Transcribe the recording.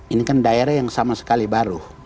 ini kan daerah yang sama sekali baru